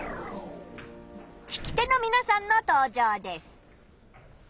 聞き手のみなさんの登場です。